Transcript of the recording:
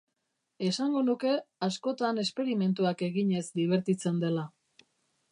Esango nuke askotan esperimentuak eginez dibertitzen dela.